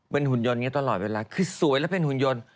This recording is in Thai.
เป็นหุ่นยนต์อย่างนี้ตลอดเวลาคือสวยแล้วเป็นหุ่นยนต์